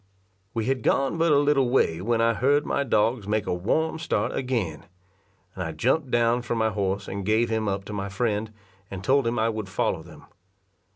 We had gone but a little way when I heard my dogs make a warm start again; and I jumped down from my horse and gave him up to my friend, and told him I would follow them.